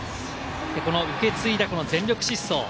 受け継いだ全力疾走。